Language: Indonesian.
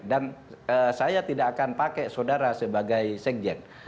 dan saya tidak akan pakai saudara sebagai sekretaris